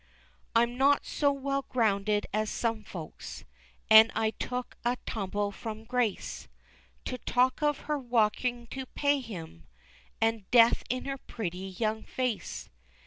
I'm not so well grounded as some folks, An' I took a tumble from grace, To talk of her working to pay him, An' death in her pretty young face.